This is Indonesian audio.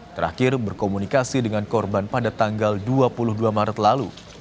terakhir berkomunikasi dengan korban pada tanggal dua puluh dua maret lalu